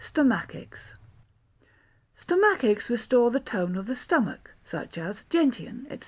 Stomachics Stomachics restore the tone of the stomach, such as gentian, &c.